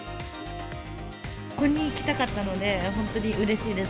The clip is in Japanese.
ここに来たかったので、本当にうれしいです。